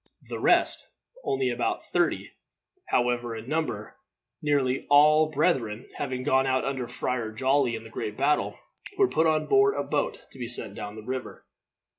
The rest, only about thirty, however, in number nearly all the brethren having gone out under the Friar Joly into the great battle were put on board a boat to be sent down the river.